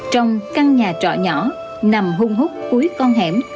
trong căn nhà trọ nhỏ nằm hung húc cuối con hẻm